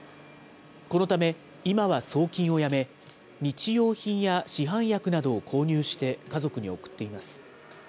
このため、今は送金をやめ、日用品や市販薬などを購入して、家族に送っています。